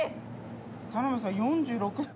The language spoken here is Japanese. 田辺さん４６」